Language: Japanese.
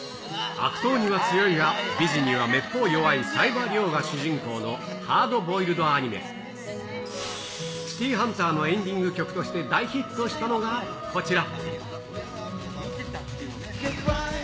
悪党には強いが、美人にはめっぽう弱い冴羽りょうが主人公のハードボイルドアニメ、ＣＩＴＹＨＵＮＴＥＲのエンディング曲として大ヒットしたのがこちら。